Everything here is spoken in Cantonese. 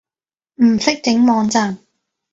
唔識整網站